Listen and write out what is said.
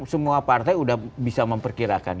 semua partai sudah bisa memperkirakan